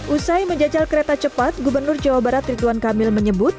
usai menjajal kereta cepat gubernur jawa barat rituan kamil menyebut